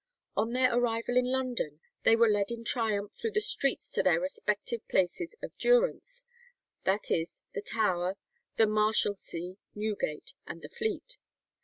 On their arrival in London they were led in triumph through the streets to their respective places of durance—viz., the Tower, the Marshalsea, Newgate, and the Fleet.